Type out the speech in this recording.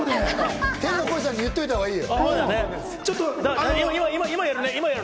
天の声さんにいっといたほうがいいよ。